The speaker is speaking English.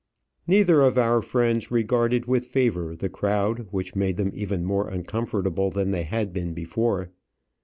Neither of our friends regarded with favour the crowd which made them even more uncomfortable than they had been before.